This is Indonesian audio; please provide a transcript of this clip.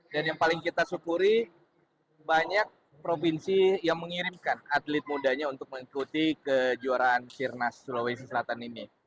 dan yang paling kita syukuri banyak provinsi yang mengirimkan atlet mudanya untuk mengikuti kejuaraan sirkuit nasional sulawesi selatan ini